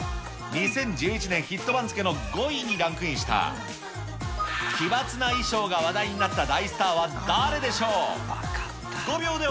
２０１１年ヒット番付の５位にランクインした、奇抜な衣装が話題になった大スターは誰でしょう。